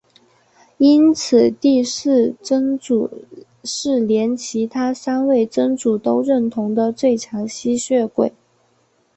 因此第四真祖是连其他三位真祖都认同的最强吸血鬼。